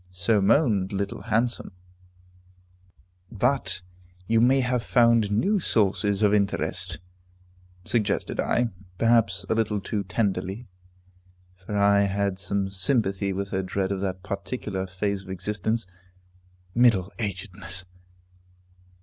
So moaned Little Handsome. "But you may have found new sources of interest," suggested I, perhaps a little too tenderly, for I had some sympathy with her dread of that particular phase of existence, middle agedness.